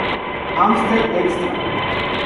Amstel Extra.